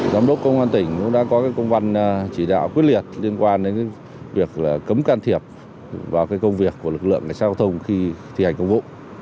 giám đốc công an tỉnh cũng đã có công văn chỉ đạo quyết liệt liên quan đến việc cấm can thiệp vào công việc của lực lượng cảnh sát giao thông khi thi hành công vụ